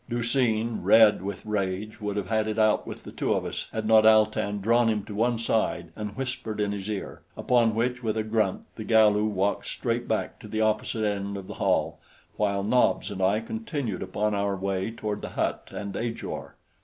Du seen, red with rage, would have had it out with the two of us had not Al tan drawn him to one side and whispered in his ear upon which, with a grunt, the Galu walked straight back to the opposite end of the hall, while Nobs and I continued upon our way toward the hut and Ajor.